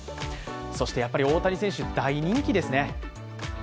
そして大谷選手、大人気ですね。